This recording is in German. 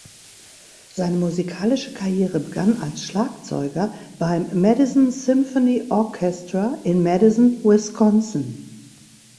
Seine musikalische Karriere begann als Schlagzeuger beim Madison Symphony Orchestra in Madison, Wisconsin.